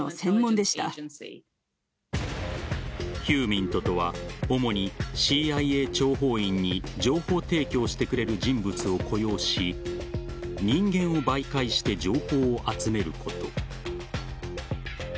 ヒューミントとは主にＣＩＡ諜報員に情報提供してくれる人物を雇用し人間を媒介して情報を集めること。